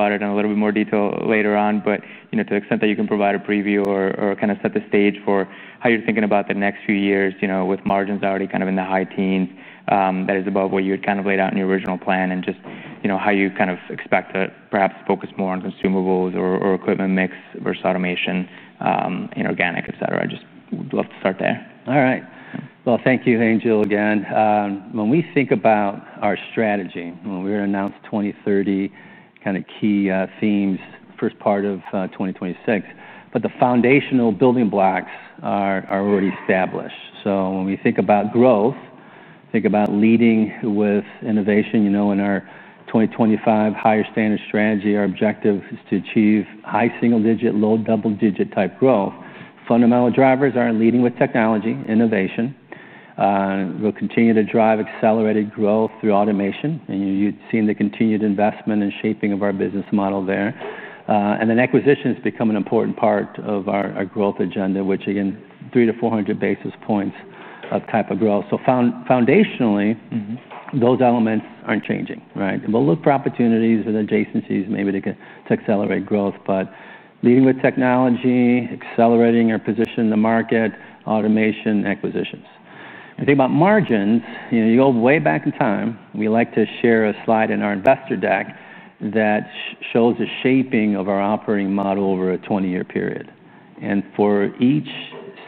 Provide it in a little bit more detail later on, but to the extent that you can provide a preview or kind of set the stage for how you're thinking about the next few years, with margins already kind of in the high teens, that is above what you had kind of laid out in your original plan, and just how you kind of expect to perhaps focus more on consumables or equipment mix versus automation in organic, et cetera. Just would love to start there. All right. Thank you, Angel, again. When we think about our strategy, we're going to announce 2030 kind of key themes first part of 2026. The foundational building blocks are already established. When we think about growth, think about leading with innovation. In our 2025 higher standard strategy, our objective is to achieve high single-digit, low double-digit type growth. Fundamental drivers are leading with technology, innovation. We'll continue to drive accelerated growth through automation. You've seen the continued investment and shaping of our business model there. Acquisitions become an important part of our growth agenda, which again, 300 to 400 basis points of type of growth. Foundationally, those elements aren't changing. We'll look for opportunities and adjacencies maybe to accelerate growth. Leading with technology, accelerating our position in the market, automation, acquisitions. If you think about margins, you go way back in time. We like to share a slide in our investor deck that shows the shaping of our operating model over a 20-year period. For each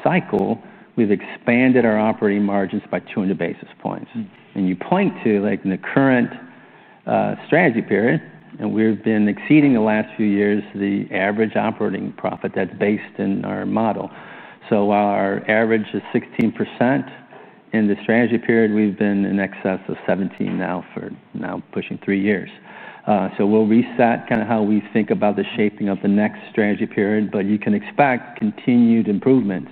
cycle, we've expanded our operating margins by 200 basis points. You point to like in the current strategy period, and we've been exceeding the last few years the average operating profit that's based in our model. While our average is 16% in the strategy period, we've been in excess of 17% now for now pushing three years. We'll reset kind of how we think about the shaping of the next strategy period. You can expect continued improvements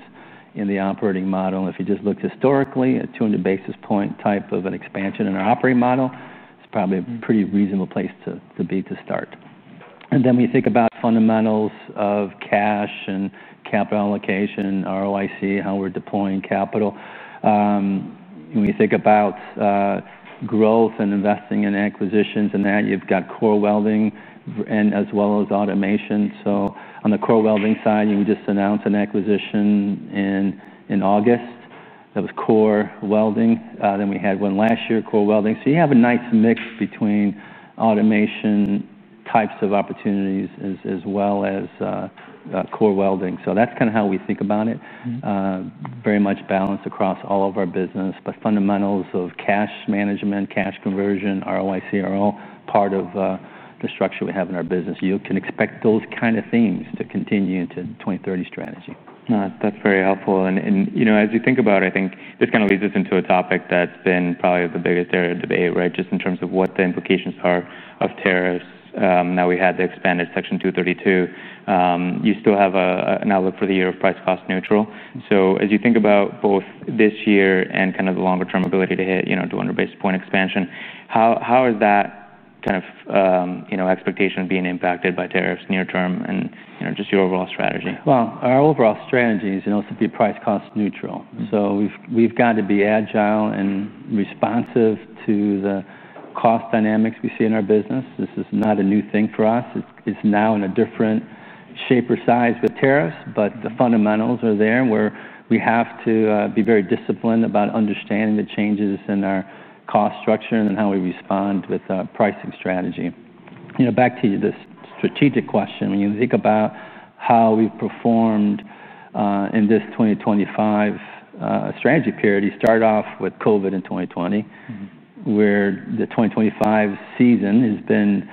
in the operating model. If you just look historically at 200 basis point type of an expansion in our operating model, it's probably a pretty reasonable place to be to start. We think about fundamentals of cash and capital allocation, ROIC, how we're deploying capital. When you think about growth and investing in acquisitions and that, you've got core welding as well as automation. On the core welding side, we just announced an acquisition in August. That was core welding. Then we had one last year, core welding. You have a nice mix between automation types of opportunities as well as core welding. That's kind of how we think about it. Very much balanced across all of our business. Fundamentals of cash management, cash conversion, ROIC are all part of the structure we have in our business. You can expect those kind of things to continue into the 2030 strategy. That's very helpful. As you think about it, I think this kind of leads us into a topic that's been probably the biggest area of debate, right? Just in terms of what the implications are of tariffs. Now we had the expanded Section 232. You still have an outlook for the year of price cost neutral. As you think about both this year and kind of the longer-term ability to hit 200 basis point expansion, how is that kind of expectation being impacted by tariffs near term and just your overall strategy? Our overall strategy is to also be price-cost neutral. We've got to be agile and responsive to the cost dynamics we see in our business. This is not a new thing for us. It's now in a different shape or size with tariffs, but the fundamentals are there. We have to be very disciplined about understanding the changes in our cost structure and how we respond with our pricing strategy. Back to this strategic question, when you think about how we've performed in this 2025 strategy period, you start off with COVID in 2020, where the 2025 season has been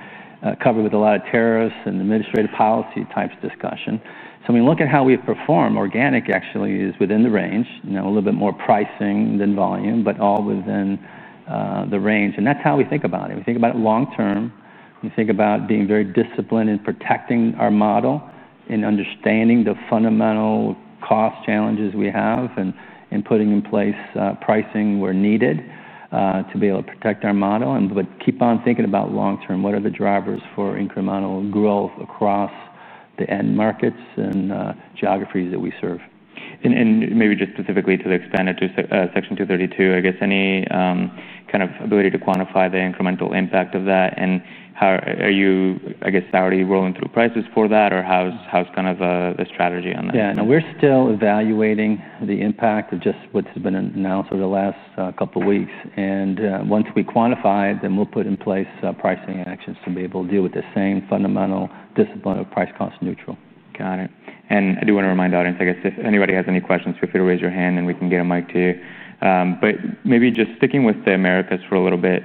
covered with a lot of tariffs and administrative policy types of discussion. When you look at how we've performed, organic actually is within the range. A little bit more pricing than volume, but all within the range. That's how we think about it. We think about it long term. We think about being very disciplined in protecting our model, in understanding the fundamental cost challenges we have, and in putting in place pricing where needed to be able to protect our model. Keep on thinking about long term. What are the drivers for incremental growth across the end markets and geographies that we serve? Specifically to the expanded Section 232, is there any kind of ability to quantify the incremental impact of that? How are you already rolling through prices for that? How's the strategy on that? Yeah, no, we're still evaluating the impact of just what's been announced over the last couple of weeks. Once we quantify, then we'll put in place pricing actions to be able to deal with the same fundamental discipline of price-cost neutral. Got it. I do want to remind the audience, if anybody has any questions, feel free to raise your hand and we can get a mic to you. Maybe just sticking with the Americas for a little bit,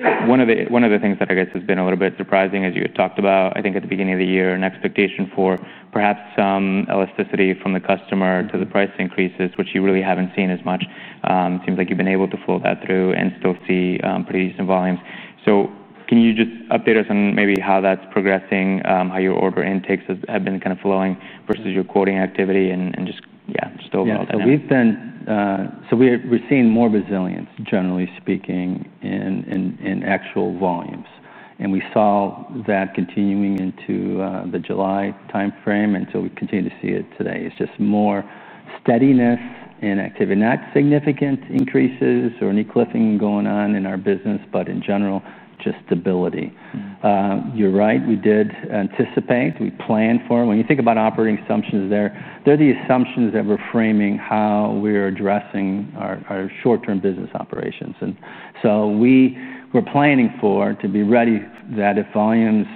one of the things that has been a little bit surprising, as you had talked about, I think at the beginning of the year, an expectation for perhaps some elasticity from the customer to the price increases, which you really haven't seen as much. It seems like you've been able to flow that through and still see pretty decent volumes. Can you just update us on maybe how that's progressing, how your order intakes have been kind of flowing versus your quoting activity? Just overall. Yeah, so we're seeing more resilience, generally speaking, in actual volumes. We saw that continuing into the July time frame and we continue to see it today. It's just more steadiness in activity, not significant increases or any cliffing going on in our business, but in general, just stability. You're right. We did anticipate. We planned for it. When you think about operating assumptions, they're the assumptions that we're framing how we're addressing our short-term business operations. We're planning to be ready that if volumes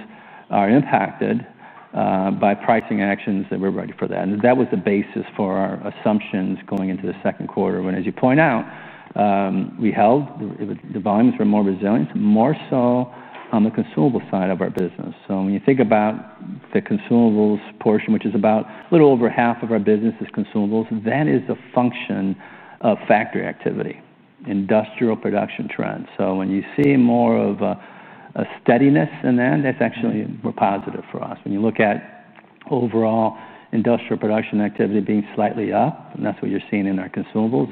are impacted by pricing actions, we're ready for that. That was the basis for our assumptions going into the second quarter. As you point out, the volumes were more resilient, more so on the consumable side of our business. When you think about the consumables portion, which is about a little over half of our business, that is the function of factory activity, industrial production trends. When you see more of a steadiness in that, that's actually more positive for us. When you look at overall industrial production activity being slightly up, that's what you're seeing in our consumables.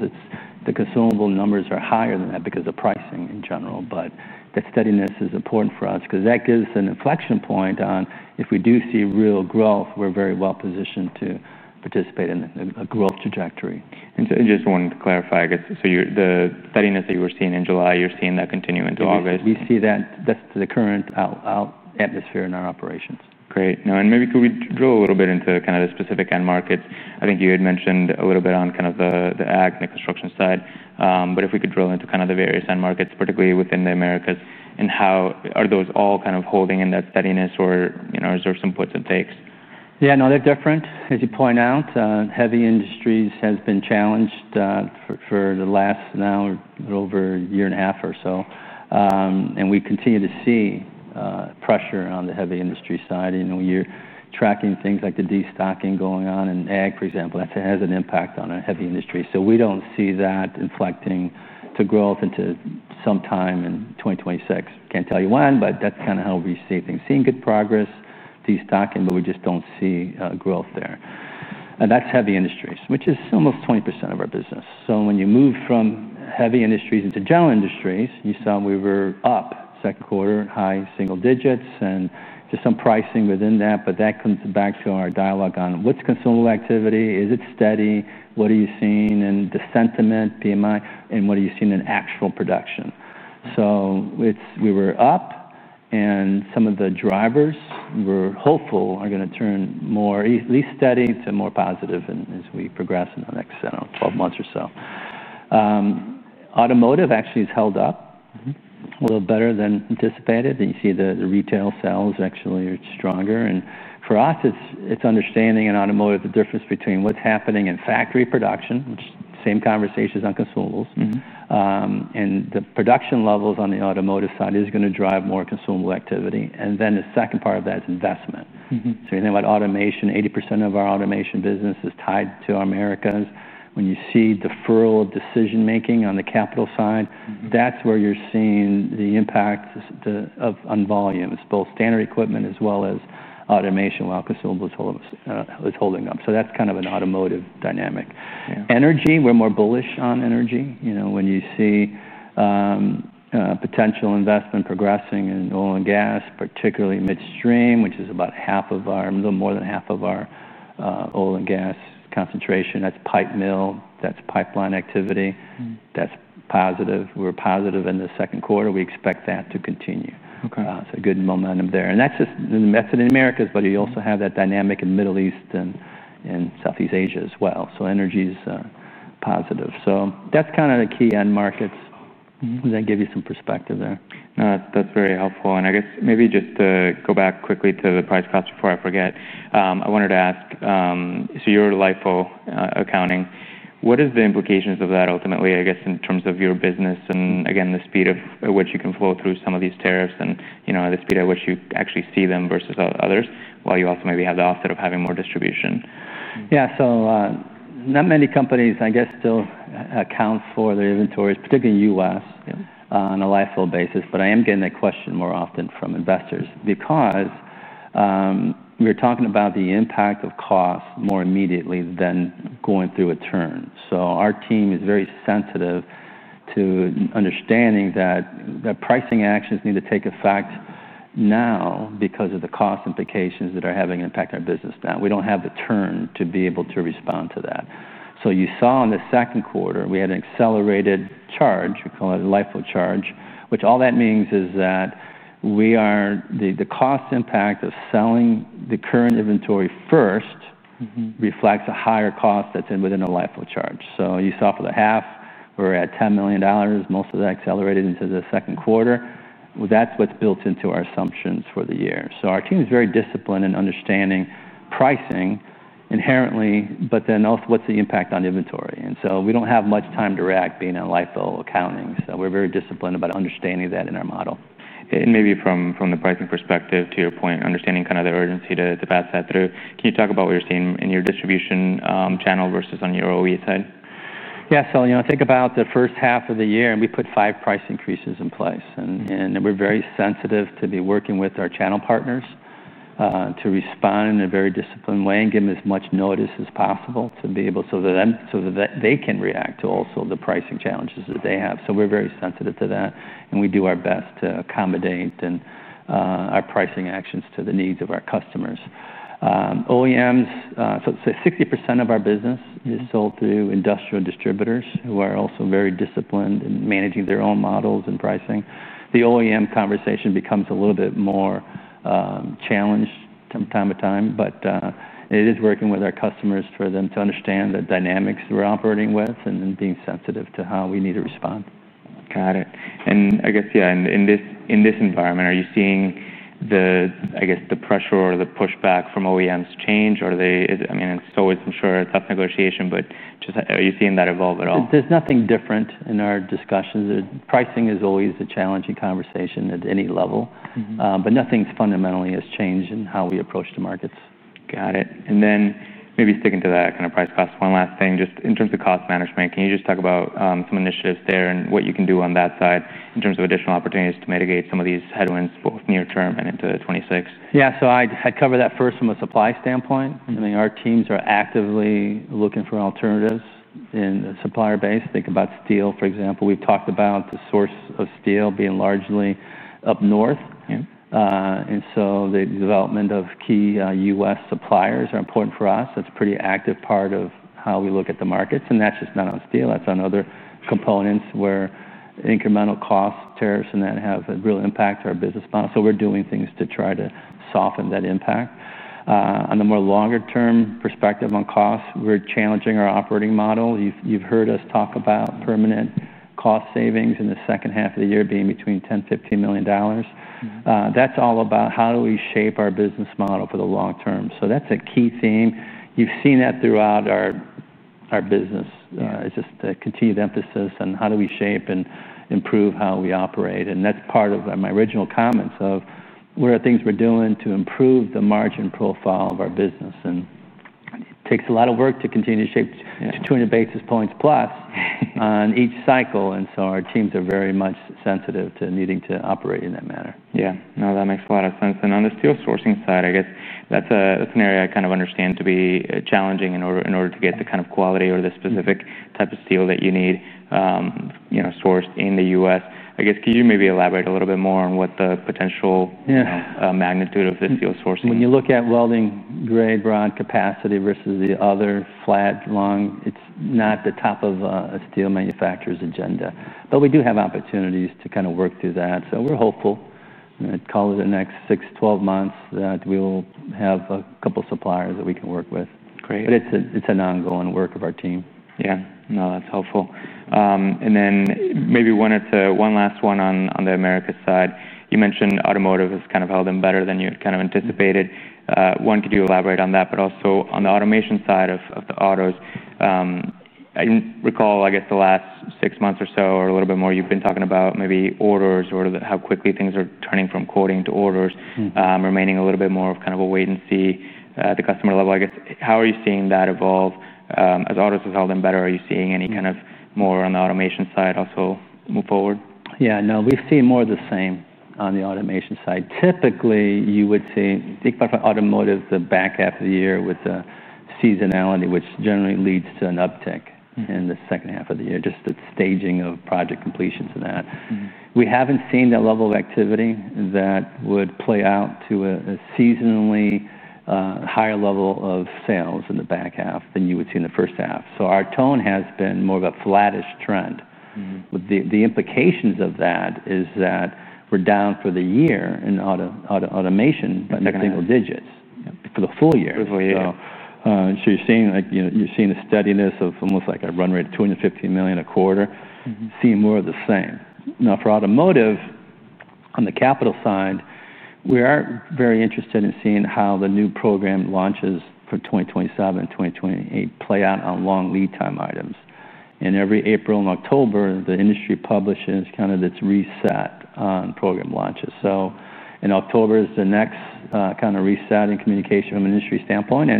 The consumable numbers are higher than that because of pricing in general. The steadiness is important for us because that gives us an inflection point on if we do see real growth, we're very well positioned to participate in a growth trajectory. I just wanted to clarify, I guess, the steadiness that you were seeing in July, you're seeing that continue into August? Yeah, we see that. That's the current atmosphere in our operations. Great. No, and maybe could we drill a little bit into kind of the specific end markets? I think you had mentioned a little bit on kind of the ag and the construction side. If we could drill into kind of the various end markets, particularly within the Americas, how are those all kind of holding in that steadiness, or is there some puts and takes? Yeah, no, they're different. As you point out, heavy industries have been challenged for the last now a little over a year and a half or so. We continue to see pressure on the heavy industry side. You're tracking things like the destocking going on in ag, for example. That has an impact on a heavy industry. We don't see that inflecting to growth until sometime in 2026. Can't tell you when, but that's kind of how we see things. Seeing good progress, destocking, but we just don't see growth there. That's heavy industries, which is almost 20% of our business. When you move from heavy industries into general industries, you saw we were up second quarter, high single digits, and just some pricing within that. That comes back to our dialogue on what's consumable activity. Is it steady? What are you seeing in the sentiment, PMI, and what are you seeing in actual production? We were up, and some of the drivers we're hopeful are going to turn more least steady to more positive as we progress in the next, I don't know, 12 months or so. Automotive actually has held up a little better than anticipated. You see the retail sales actually are stronger. For us, it's understanding in automotive the difference between what's happening in factory production, which is the same conversations on consumables. The production levels on the automotive side are going to drive more consumable activity. The second part of that is investment. You think about automation. 80% of our automation business is tied to our Americas. When you see deferral decision-making on the capital side, that's where you're seeing the impact on volume. It's both standard equipment as well as automation while consumables is holding up. That's kind of an automotive dynamic. Energy, we're more bullish on energy. When you see potential investment progressing in oil and gas, particularly mid-stream, which is about half of our, a little more than half of our oil and gas concentration, that's pipe mill, that's pipeline activity. That's positive. We're positive in the second quarter. We expect that to continue. Good momentum there. That's just the method in Americas, but you also have that dynamic in the Middle East and in Southeast Asia as well. Energy is positive. That's kind of the key end markets. Does that give you some perspective there? No, that's very helpful. I guess maybe just to go back quickly to the price cost before I forget, I wanted to ask, so you're a LIFO accounting. What are the implications of that ultimately, I guess, in terms of your business and again, the speed at which you can flow through some of these tariffs and the speed at which you actually see them versus others while you also maybe have the offset of having more distribution? Yeah, not many companies, I guess, still account for their inventories, particularly in the U.S., on a LIFO basis. I am getting that question more often from investors because we're talking about the impact of costs more immediately than going through a turn. Our team is very sensitive to understanding that pricing actions need to take effect now because of the cost implications that are having an impact on our business now. We don't have the turn to be able to respond to that. You saw in the second quarter, we had an accelerated charge. We call it a LIFO charge, which means that the cost impact of selling the current inventory first reflects a higher cost that's within a LIFO charge. You saw for the half, we're at $10 million. Most of that accelerated into the second quarter. That's what's built into our assumptions for the year. Our team is very disciplined in understanding pricing inherently, but then also what's the impact on inventory. We don't have much time to react being a LIFO accounting. We're very disciplined about understanding that in our model. From the pricing perspective, to your point, understanding kind of the urgency to pass that through, can you talk about what you're seeing in your distribution channel versus on your OE side? Yeah, so you know, think about the first half of the year, and we put five price increases in place. We're very sensitive to be working with our channel partners to respond in a very disciplined way and give them as much notice as possible so that they can react to the pricing challenges that they have. We're very sensitive to that, and we do our best to accommodate our pricing actions to the needs of our customers. OEMs, let's say 60% of our business is sold through industrial distributors who are also very disciplined in managing their own models and pricing. The OEM conversation becomes a little bit more challenged from time to time, but it is working with our customers for them to understand the dynamics we're operating with and being sensitive to how we need to respond. Got it. In this environment, are you seeing the pressure or the pushback from OEMs change? Are they, I mean, in some ways, I'm sure it's tough negotiation, but just are you seeing that evolve at all? There's nothing different in our discussions. Pricing is always a challenging conversation at any level, but nothing fundamentally has changed in how we approach the markets. Got it. Maybe sticking to that kind of price-cost, one last thing, just in terms of cost management, can you talk about some initiatives there and what you can do on that side in terms of additional opportunities to mitigate some of these headwinds both near term and into 2026? Yeah, I had covered that first from a supply standpoint. I mean, our teams are actively looking for alternatives in the supplier base. Think about steel, for example. We've talked about the source of steel being largely up north. The development of key U.S. suppliers is important for us. That's a pretty active part of how we look at the markets. That's not just on steel. That's on other components where incremental costs, tariffs, and that have a real impact on our business model. We're doing things to try to soften that impact. From a more longer-term perspective on costs, we're challenging our operating model. You've heard us talk about permanent cost savings in the second half of the year being between $10 million, $15 million. That's all about how do we shape our business model for the long term. That's a key theme. You've seen that throughout our business. It's just a continued emphasis on how do we shape and improve how we operate. That's part of my original comments of what are the things we're doing to improve the margin profile of our business. It takes a lot of work to continue to shape to 200 basis points plus on each cycle. Our teams are very much sensitive to needing to operate in that manner. Yeah, that makes a lot of sense. On the steel sourcing side, I guess that's an area I kind of understand to be challenging in order to get the kind of quality or the specific type of steel that you need sourced in the U.S. Could you maybe elaborate a little bit more on what the potential magnitude of the steel source? When you look at welding grade broad capacity versus the other flat long, it's not the top of a steel manufacturer's agenda. We do have opportunities to kind of work through that. We're hopeful, call it the next 6 to 12 months, that we will have a couple of suppliers that we can work with. It's an ongoing work of our team. Yeah, no, that's helpful. Maybe one last one on the Americas side. You mentioned automotive has kind of held them better than you kind of anticipated. One, could you elaborate on that, but also on the automation side of the autos? I recall, I guess, the last six months or so or a little bit more, you've been talking about maybe orders or how quickly things are turning from quoting to orders, remaining a little bit more of kind of a wait and see at the customer level. I guess, how are you seeing that evolve? As autos have held them better, are you seeing any kind of more on the automation side also move forward? Yeah, no, we've seen more of the same on the automation side. Typically, you would see, you think about automotive, the back half of the year with the seasonality, which generally leads to an uptick in the second half of the year, just the staging of project completions of that. We haven't seen that level of activity that would play out to a seasonally higher level of sales in the back half than you would see in the first half. Our tone has been more of a flattish trend. The implications of that is that we're down for the year in automation by the single digits for the full year. For the full year. You're seeing a steadiness of almost like a run rate of $250 million a quarter, seeing more of the same. Now for automotive, on the capital side, we are very interested in seeing how the new program launches for 2027, 2028 play out on long lead time items. Every April and October, the industry publishes kind of this reset on program launches. In October is the next kind of reset in communication from an industry standpoint.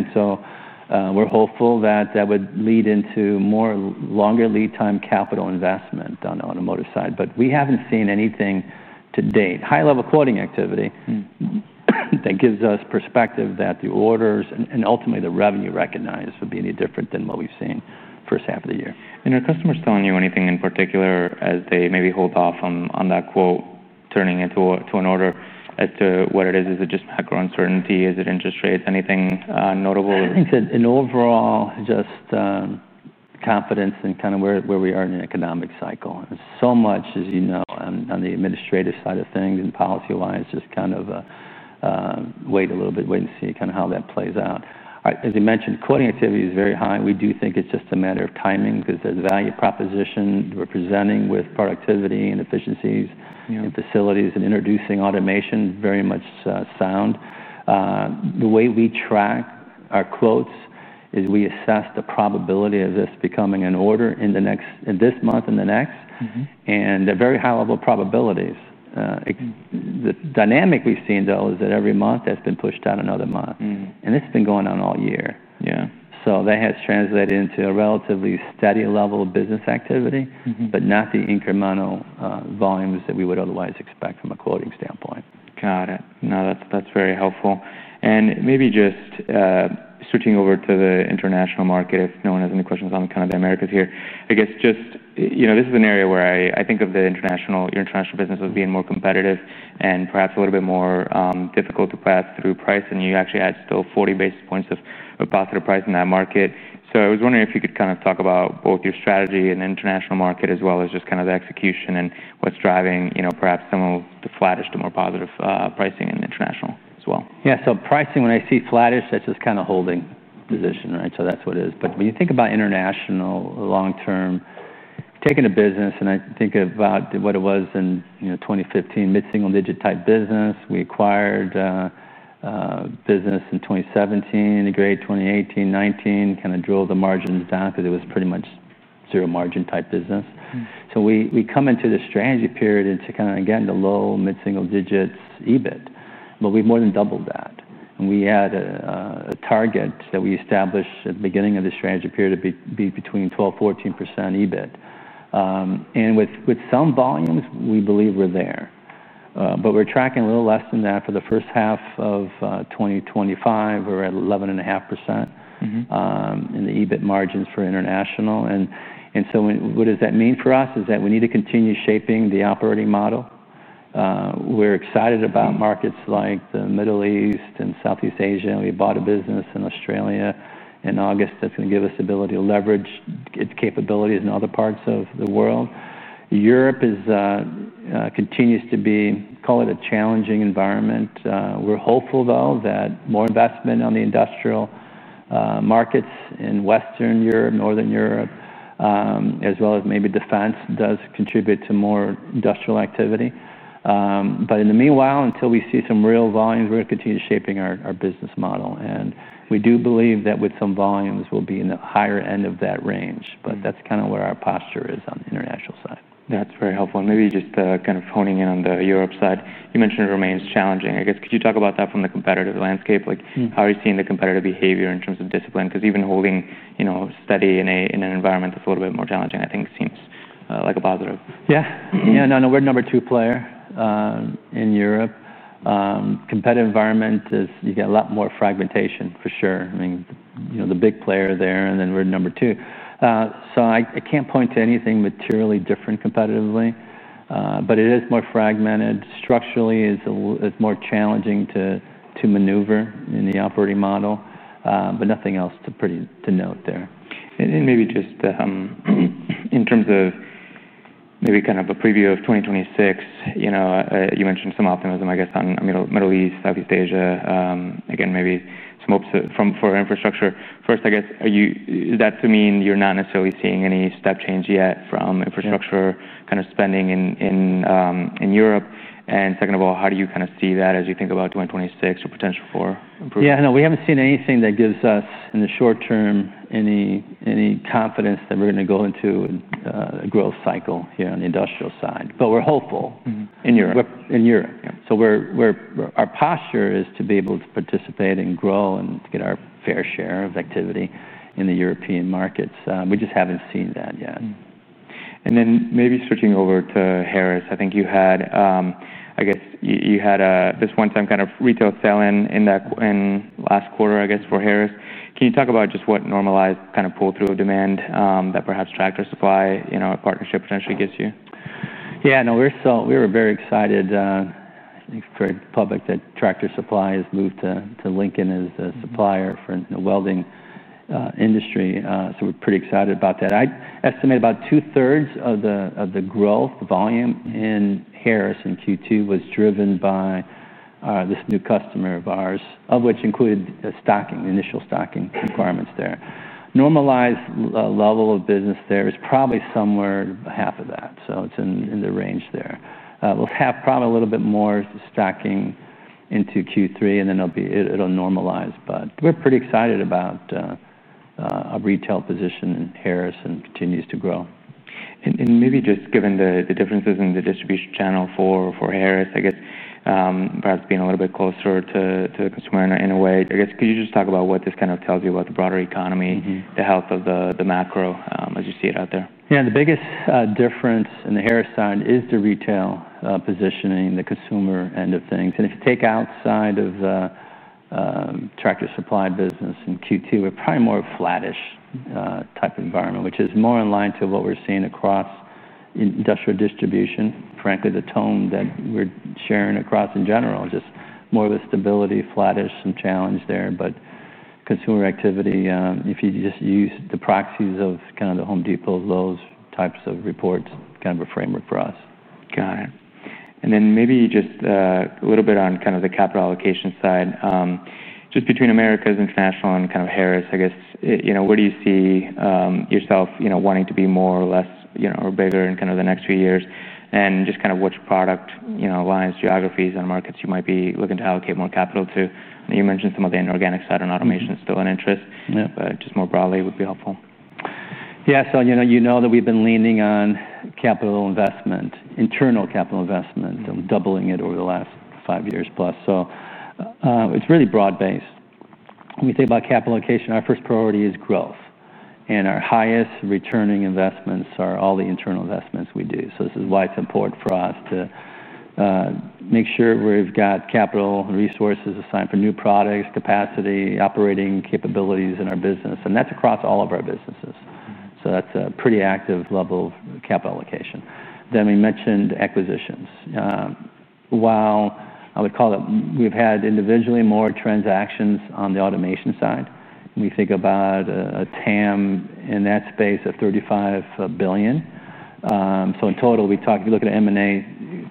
We're hopeful that would lead into more longer lead time capital investment on the automotive side. We haven't seen anything to date. High-level quoting activity gives us perspective that the orders and ultimately the revenue recognized would be any different than what we've seen the first half of the year. Are customers telling you anything in particular as they maybe hold off on that quote, turning it to an order as to what it is? Is it just macro uncertainty? Is it interest rates? Anything notable? I think it's an overall just confidence in kind of where we are in the economic cycle. As you know, on the administrative side of things and policy-wise, just kind of wait a little bit, wait and see kind of how that plays out. As you mentioned, quoting activity is very high. We do think it's just a matter of timing because the value proposition we're presenting with productivity and efficiencies and facilities and introducing automation is very much sound. The way we track our quotes is we assess the probability of this becoming an order in this month and the next. They're very high-level probabilities. The dynamic we've seen, though, is that every month that's been pushed out another month. It's been going on all year. That has translated into a relatively steady level of business activity, but not the incremental volumes that we would otherwise expect from a quoting standpoint. Got it. No, that's very helpful. Maybe just switching over to the international market, if no one has any questions on kind of the Americas here. I guess just, you know, this is an area where I think of your international business as being more competitive and perhaps a little bit more difficult to pass through price. You actually had still 40 basis points of positive price in that market. I was wondering if you could kind of talk about both your strategy in the international market as well as just kind of the execution and what's driving, you know, perhaps some of the flattish to more positive pricing in the international as well. Yeah, so pricing, when I see flattish, that's just kind of holding position, right? That's what it is. When you think about international long term, taking a business, and I think about what it was in 2015, mid-single-digit type business. We acquired a business in 2017, integrated 2018, 2019, kind of drove the margins down because it was pretty much zero margin type business. We come into the strategy period into kind of getting the low mid-single digits EBIT. We've more than doubled that. We had a target that we established at the beginning of the strategy period to be between 12%, 14% EBIT. With some volumes, we believe we're there. We're tracking a little less than that for the first half of 2025. We're at 11.5% in the EBIT margins for international. What does that mean for us? We need to continue shaping the operating model. We're excited about markets like the Middle East and Southeast Asia. We bought a business in Australia in August that's going to give us the ability to leverage its capabilities in other parts of the world. Europe continues to be, call it a challenging environment. We're hopeful, though, that more investment on the industrial markets in Western Europe, Northern Europe, as well as maybe defense does contribute to more industrial activity. In the meanwhile, until we see some real volumes, we're going to continue shaping our business model. We do believe that with some volumes, we'll be in the higher end of that range. That's kind of where our posture is on the international side. That's very helpful. Maybe just kind of honing in on the Europe side, you mentioned it remains challenging. I guess, could you talk about that from the competitive landscape? How are you seeing the competitive behavior in terms of discipline? Even holding steady in an environment that's a little bit more challenging, I think, seems like a positive. Yeah, no, we're a number two player in Europe. Competitive environment is you get a lot more fragmentation, for sure. I mean, you know, the big player there, and then we're number two. I can't point to anything materially different competitively. It is more fragmented. Structurally, it's more challenging to maneuver in the operating model. Nothing else to pretty denote there. Maybe just in terms of kind of a preview of 2026, you mentioned some optimism, I guess, on the Middle East, Southeast Asia. Again, maybe some hopes for infrastructure. First, is that to mean you're not necessarily seeing any step change yet from infrastructure spending in Europe? Second of all, how do you kind of see that as you think about 2026 or potential for improvement? Yeah, no, we haven't seen anything that gives us in the short term any confidence that we're going to go into a growth cycle here on the industrial side. We're hopeful. In Europe? In Europe, our posture is to be able to participate and grow and to get our fair share of activity in the European markets. We just haven't seen that yet. Maybe switching over to Harris, I think you had this one-time kind of retail sell-in in that last quarter for Harris. Can you talk about just what normalized kind of pull-through of demand that perhaps Tractor Supply in our partnership potentially gives you? Yeah, no, we were very excited. I think it's very public that Tractor Supply has moved to Lincoln Electric as the supplier for the welding industry. We're pretty excited about that. I estimate about two-thirds of the growth volume in Harris in Q2 was driven by this new customer of ours, which included the initial stocking requirements there. Normalized level of business there is probably somewhere half of that, so it's in the range there. We'll have probably a little bit more stocking into Q3, and then it'll normalize. We're pretty excited about our retail position in Harris and it continues to grow. Given the differences in the distribution channel for Harris, I guess, perhaps being a little bit closer to the consumer in a way, could you just talk about what this kind of tells you about the broader economy, the health of the macro as you see it out there? Yeah, the biggest difference in the Harris side is the retail positioning, the consumer end of things. If you take outside of the Harris Products Group’s retail partnership with Tractor Supply business in Q2, we're probably more of a flattish type environment, which is more in line to what we're seeing across industrial distribution. Frankly, the tone that we're sharing across in general is just more of a stability, flattish, some challenge there. Consumer activity, if you just use the proxies of kind of the Home Depot, Lowe's types of reports, kind of a framework for us. Got it. Maybe just a little bit on the capital allocation side, just between Americas, international, and Harris, I guess, where do you see yourself wanting to be more or less, or bigger in the next few years? Just which product lines, geographies, and markets you might be looking to allocate more capital to? You mentioned some of the inorganic side and automation is still an interest, but just more broadly would be helpful. Yeah, you know that we've been leaning on capital investment, internal capital investment, doubling it over the last five years plus. It's really broad-based. When we think about capital allocation, our first priority is growth. Our highest returning investments are all the internal investments we do. This is why it's important for us to make sure we've got capital and resources assigned for new products, capacity, operating capabilities in our business. That's across all of our businesses. That's a pretty active level of capital allocation. We mentioned acquisitions. While I would call that we've had individually more transactions on the automation side, we think about a TAM in that space of $35 billion. In total, we look at M&A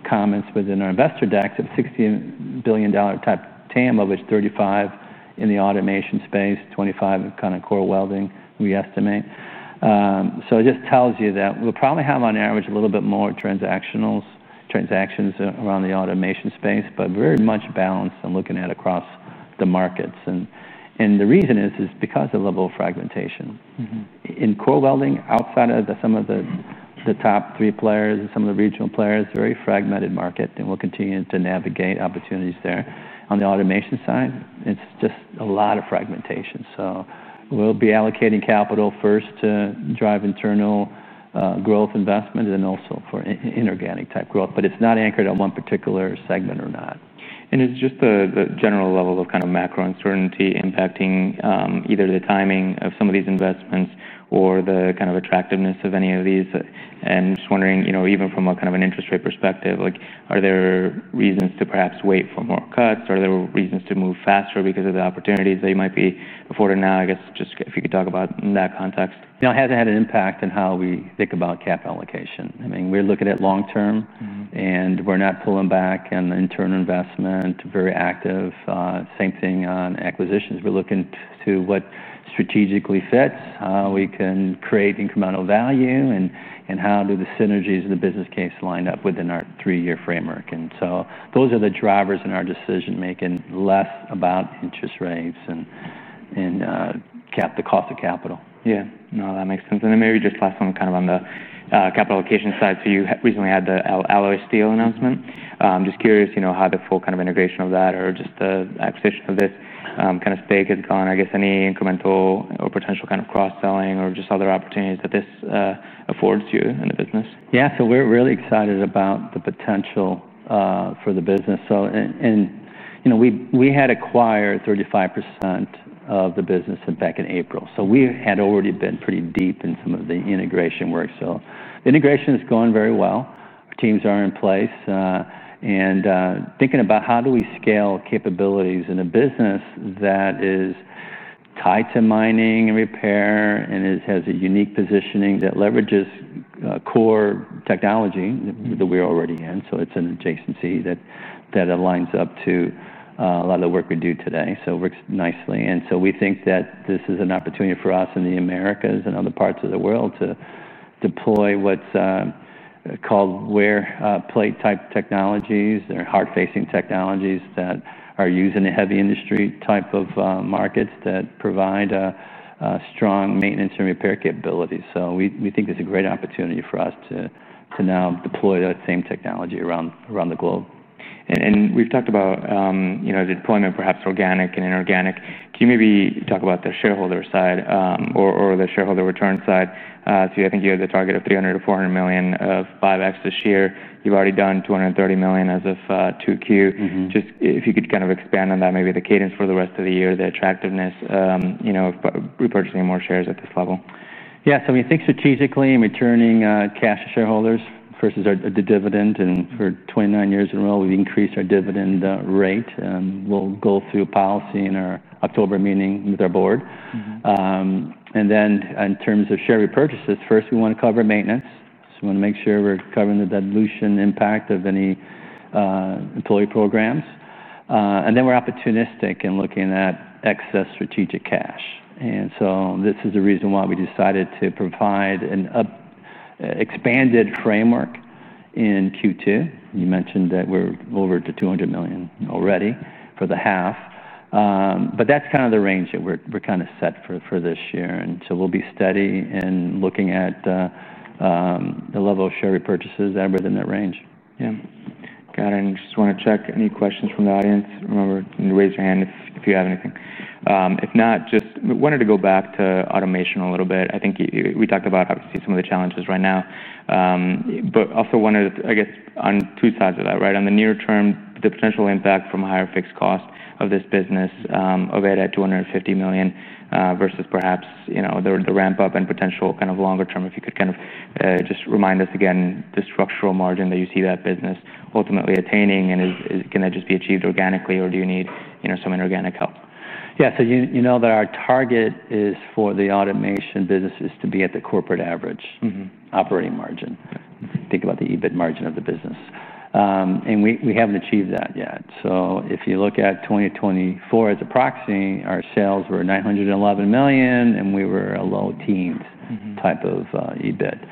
comments within our investor decks of $60 billion type TAM, of which $35 billion in the automation space, $25 billion kind of core welding, we estimate. It just tells you that we'll probably have on average a little bit more transactions around the automation space, but very much balance I'm looking at across the markets. The reason is because of the level of fragmentation. In core welding, outside of some of the top three players and some of the regional players, it's a very fragmented market. We'll continue to navigate opportunities there. On the automation side, it's just a lot of fragmentation. We'll be allocating capital first to drive internal growth investment and also for inorganic type growth. It's not anchored on one particular segment or not. It is just the general level of kind of macro uncertainty impacting either the timing of some of these investments or the kind of attractiveness of any of these. Just wondering, you know, even from a kind of an interest rate perspective, like, are there reasons to perhaps wait for more cuts? Are there reasons to move faster because of the opportunities that you might be affording now? I guess, just if you could talk about that context. No, it hasn't had an impact on how we think about capital allocation. I mean, we're looking at long term. We're not pulling back on the internal investment, very active. Same thing on acquisitions. We're looking to what strategically fits, how we can create incremental value, and how do the synergies of the business case line up within our three-year framework. Those are the drivers in our decision-making, less about interest rates and the cost of capital. Yeah, no, that makes sense. Maybe just last one, kind of on the capital allocation side. You recently had the alloy steel announcement. I'm just curious, you know, how the full kind of integration of that or just the acquisition of this kind of stake has gone. I guess, any incremental or potential kind of cross-selling or just other opportunities that this affords you in the business? Yeah, we're really excited about the potential for the business. We had acquired 35% of the business back in April, so we had already been pretty deep in some of the integration work. The integration is going very well. Our teams are in place and thinking about how do we scale capabilities in a business that is tied to mining and repair and has a unique positioning that leverages core technology that we're already in. It's an adjacency that aligns up to a lot of the work we do today. It works nicely. We think that this is an opportunity for us in the Americas and other parts of the world to deploy what's called wear plate type technologies. They're hard-facing technologies that are used in the heavy industry type of markets that provide strong maintenance and repair capabilities. We think it's a great opportunity for us to now deploy that same technology around the globe. We've talked about, you know, the deployment perhaps organic and inorganic. Can you maybe talk about the shareholder side or the shareholder return side? I think you had the target of $300 to $400 million of 5X this year. You've already done $230 million as of 2Q. If you could kind of expand on that, maybe the cadence for the rest of the year, the attractiveness, you know, repurchasing more shares at this level. Yeah, we think strategically in returning cash to shareholders versus the dividend. For 29 years in a row, we've increased our dividend rate. We'll go through policy in our October meeting with our board. In terms of share repurchases, first we want to cover maintenance. We want to make sure we're covering the dilution impact of any employee programs. We're opportunistic in looking at excess strategic cash. This is the reason why we decided to provide an expanded framework in Q2. You mentioned that we're over $200 million already for the half. That's kind of the range that we're set for this year. We'll be steady in looking at the level of share repurchases that are within that range. Got it. Just want to check any questions from the audience. Remember to raise your hand if you have anything. If not, just wanted to go back to automation a little bit. I think we talked about, obviously, some of the challenges right now. Also wanted to, I guess, on two sides of that, right? On the near term, the potential impact from a higher fixed cost of this business at $250 million versus perhaps the ramp-up and potential kind of longer term. If you could just remind us again the structural margin that you see that business ultimately attaining. Can that just be achieved organically? Or do you need some inorganic help? Yeah, so you know that our target is for the automation businesses to be at the corporate average operating margin. Think about the EBIT margin of the business. We haven't achieved that yet. If you look at 2024 as a proxy, our sales were $911 million, and we were a low-teens type of EBIT.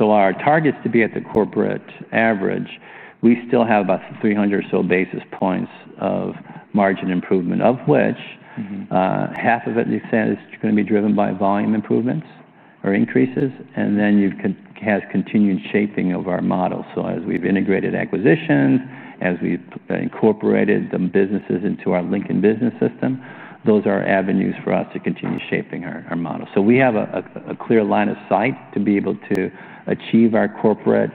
Our target is to be at the corporate average. We still have about 300 or so basis points of margin improvement, of which half of it is going to be driven by volume improvements or increases. You have continued shaping of our model. As we've integrated acquisition, as we've incorporated the businesses into our Lincoln business system, those are avenues for us to continue shaping our model. We have a clear line of sight to be able to achieve our corporate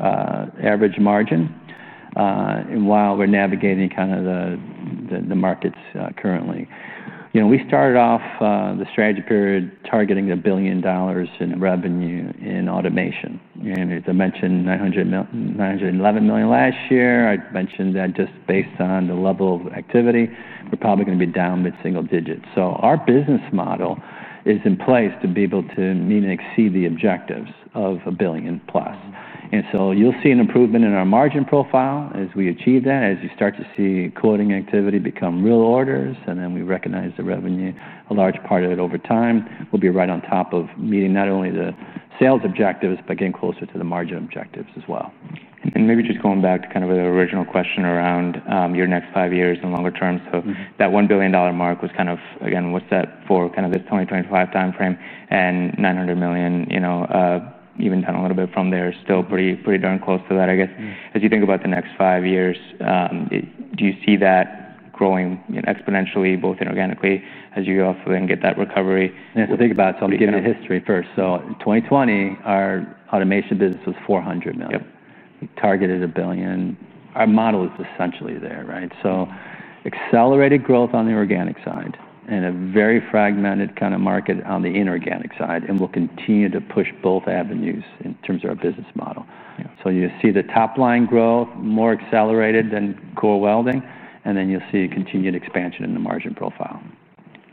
average margin while we're navigating kind of the markets currently. We started off the strategy period targeting a billion dollars in revenue in automation. As I mentioned, $911 million last year. I mentioned that just based on the level of activity, we're probably going to be down mid-single digits. Our business model is in place to be able to meet and exceed the objectives of a billion plus. You'll see an improvement in our margin profile as we achieve that, as you start to see quoting activity become real orders. We recognize the revenue, a large part of it over time, will be right on top of meeting not only the sales objectives, but getting closer to the margin objectives as well. Maybe just going back to kind of the original question around your next five years and longer term. That $1 billion mark was kind of, again, what's that for kind of this 2025 time frame? $900 million, you know, even down a little bit from there, still pretty darn close to that, I guess. As you think about the next five years, do you see that growing exponentially, both inorganically, as you go off and get that recovery? Yeah, so think about it. I'm giving a history first. In 2020, our automation business was $400 million. We targeted a billion. Our model is essentially there, right? Accelerated growth on the organic side and a very fragmented kind of market on the inorganic side. We'll continue to push both avenues in terms of our business model. You see the top line growth more accelerated than core welding, and you'll see continued expansion in the margin profile.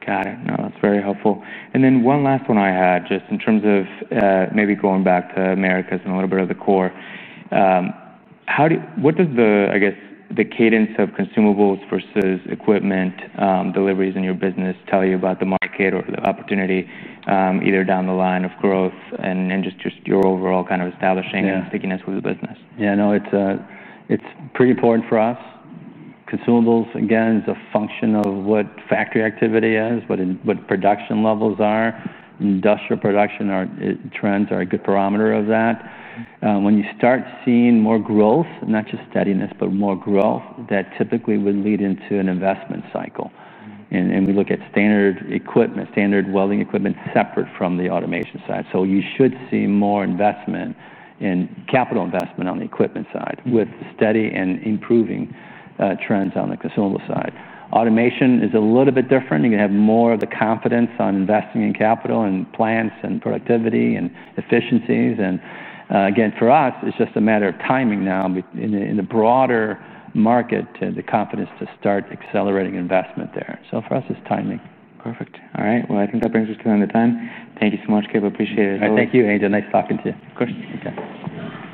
Got it. No, that's very helpful. One last one I had, just in terms of maybe going back to Americas and a little bit of the core, what does the, I guess, the cadence of consumables versus equipment deliveries in your business tell you about the market or the opportunity either down the line of growth and just your overall kind of establishing and stickiness with the business? Yeah, no, it's pretty important for us. Consumables, again, the function of what factory activity is, what production levels are, industrial production trends are a good barometer of that. When you start seeing more growth, not just steadiness, but more growth, that typically would lead into an investment cycle. We look at standard equipment, standard welding equipment separate from the automation side. You should see more investment in capital investment on the equipment side with steady and improving trends on the consumable side. Automation is a little bit different. You're going to have more of the confidence on investing in capital and plants and productivity and efficiencies. For us, it's just a matter of timing now in the broader market to the confidence to start accelerating investment there. For us, it's timing. Perfect. All right. I think that brings us to the end of time. Thank you so much, Cape. Appreciate it. All right. Thank you, Angel. Nice talking to you. Of course. Take care. Thank you.